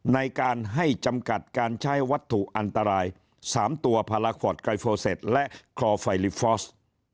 ในการให้จำกัดการใช้วัตถุอันตราย๓ตัวพาราฟอร์ตไกรโฟเซ็ตและคลอไฟลิฟอร์ส